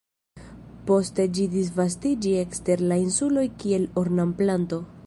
Poste ĝi disvastiĝis ekster la insuloj kiel ornamplanto.